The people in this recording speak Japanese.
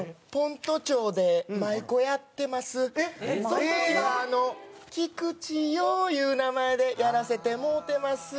その時は菊千代いう名前でやらせてもうてます。